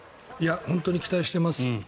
本当に期待してます。